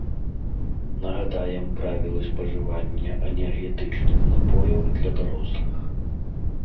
Нагадаем правілы спажывання энергетычных напояў для дарослых.